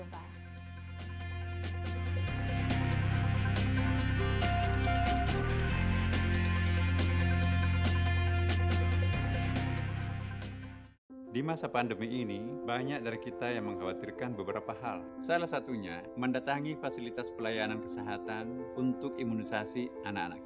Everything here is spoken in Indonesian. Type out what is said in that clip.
terima kasih sampai jumpa